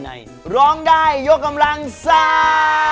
ร้องได้ยกกำลังซ่า